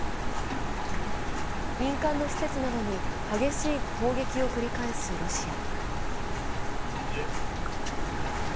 民間の施設などに激しい砲撃を繰り返すロシア。